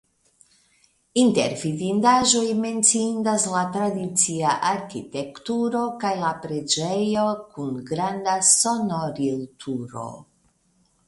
Inter vidindaĵoj menciindas la tradicia arkitekturo kaj la preĝejo kun granda sonorilturo.